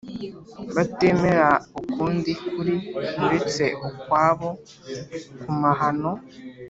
batemera ukundi kuri uretse ukwabo ku mahano